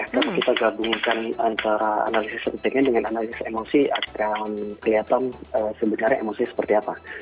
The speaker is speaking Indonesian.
kalau kita gabungkan antara analisis penting dengan analisis emosi akan kelihatan sebenarnya emosinya seperti apa